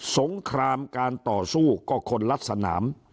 สงครามการต่อสู้ก็คนละสนาม